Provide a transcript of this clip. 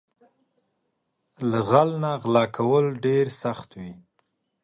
له غل نه غلا کول ډېر سخت وي